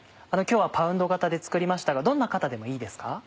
今日はパウンド型で作りましたがどんな型でもいいですか？